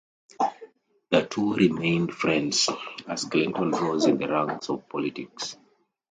The two remained friends as Clinton rose in the ranks of politics.